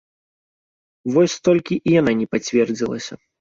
Вось толькі і яна не пацвердзілася.